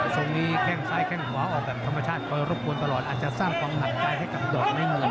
ทรงนี้แข้งซ้ายแข้งขวาออกแบบธรรมชาติคอยรบกวนตลอดอาจจะสร้างความหนักใจให้กับดอกไม้เมือง